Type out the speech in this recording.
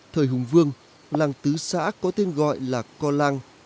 thời hùng vương làng tứ xã có tên gọi là co lang